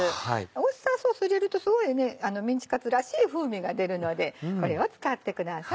ウスターソース入れるとすごいメンチカツらしい風味が出るのでこれを使ってください。